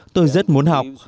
tôi rất muốn học